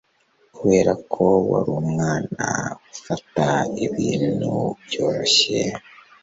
kubera ko wari umwana ufata ibintu byoroshye